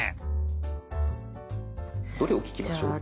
どれを聴きましょう？